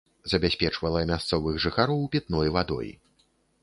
Забяспечвала мясцовых жыхароў пітной вадой.